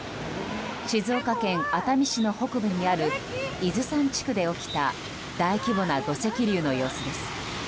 静岡県熱海市の北部にある伊豆山地区で起きた大規模な土石流の様子です。